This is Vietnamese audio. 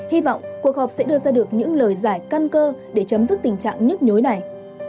hy vọng cuộc họp sẽ đưa ra được những lời giải căn cơ để chấm dứt tình trạng nhức nhối này